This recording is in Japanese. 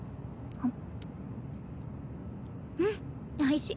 あっ。